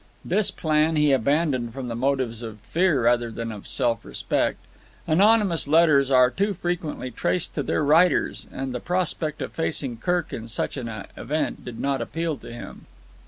This plan he abandoned from motives of fear rather than of self respect. Anonymous letters are too frequently traced to their writers, and the prospect of facing Kirk in such an event did not appeal to him.